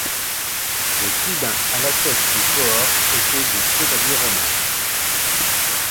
Les tribuns à la tête des cohortes étaient des chevaliers romains.